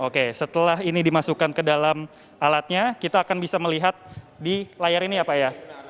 oke setelah ini dimasukkan ke dalam alatnya kita akan bisa melihat di layar ini ya pak ya